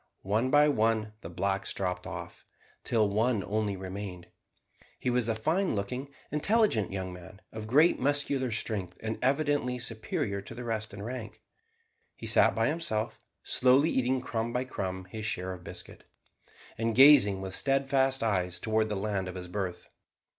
One by one the blacks dropped off, till one only remained. He was a fine looking, intelligent young man, of great muscular strength, and evidently superior to the rest in rank. He sat by himself, slowly eating crumb by crumb his share of biscuit, and gazing with steadfast eyes towards the land of his birth.